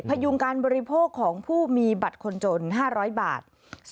พยุงการบริโภคของผู้มีบัตรคนจน๕๐๐บาท